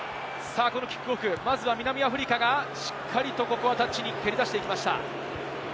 まずは南アフリカが、しっかりとタッチに蹴り出していきました。